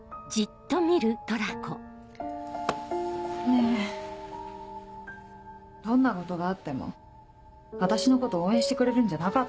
ねぇどんなことがあっても私のこと応援してくれるんじゃなかったの？